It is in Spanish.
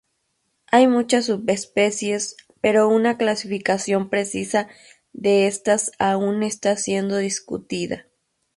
Hay muchas subespecies, pero una clasificación precisa de estas aún está siendo discutida.